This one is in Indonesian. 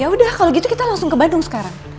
ya udah kalau gitu kita langsung ke bandung sekarang